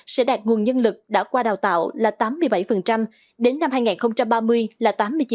sẽ đạt nguồn nhân lực đã qua đào tạo là tám mươi bảy đến năm hai nghìn ba mươi là tám mươi chín